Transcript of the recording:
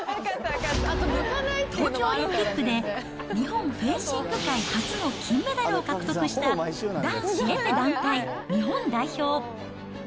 東京オリンピックで日本フェンシング界初の金メダルを獲得した、男子エペ団体日本代表。